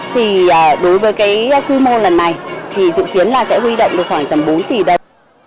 thì đối với cái quy mô lần này thì dự kiến là sẽ huy động được khoảng tầm bốn tỷ đồng